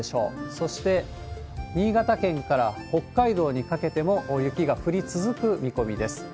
そして、新潟県から北海道にかけても雪が降り続く見込みです。